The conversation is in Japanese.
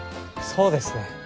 そうですね。